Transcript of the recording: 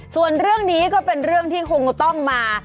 ส่วนเรื่องนี้ก็เป็นเรื่องที่คงต้องมา